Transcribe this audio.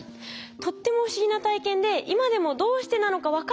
とっても不思議な体験で今でもどうしてなのか分からない。